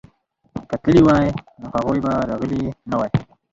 که تللي وای نو هغوی به راغلي نه وای.